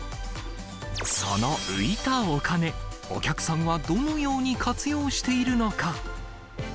その浮いたお金、お客さんはどのように活用しているのか。